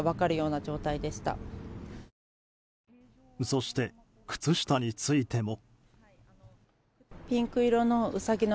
そして、靴下についても。